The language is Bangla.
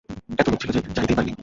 এতো লোক ছিল যে, চাইতেই পারি নি।